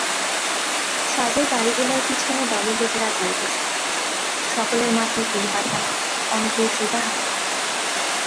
সাজের গাড়িগুলার পিছনে দলের লোকেরা যাইতেছে, সকলের মাথায় টেরিকাটা, অনেকের জুতা হাতে।